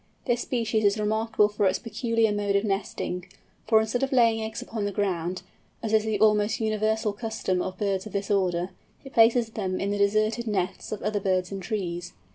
This species is remarkable for its peculiar mode of nesting, for instead of laying its eggs upon the ground—as is the almost universal custom of birds of this order—it places them in the deserted nests of other birds in trees.